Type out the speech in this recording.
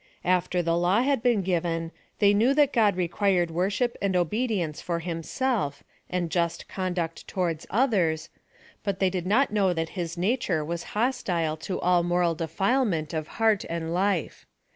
After the law had been given, they knew that God required worship and obedience for himself, and just conduct towards others, but tliey did not know that his nature was hostije to all moral defilement of heart and life.